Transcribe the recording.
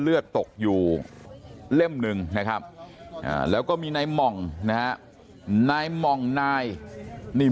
เลือดตกอยู่เล่มหนึ่งนะครับแล้วก็มีนายหม่องนะฮะนายหม่องนายนี่